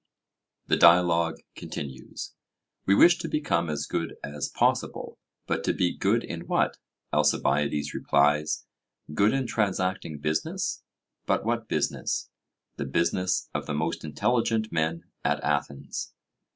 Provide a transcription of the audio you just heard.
The dialogue continues: We wish to become as good as possible. But to be good in what? Alcibiades replies 'Good in transacting business.' But what business? 'The business of the most intelligent men at Athens.'